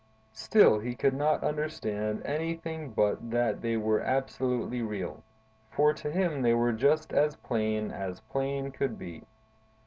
Still he could not understand anything but that they were absolutely real, for to him they were just as plain as plain could be.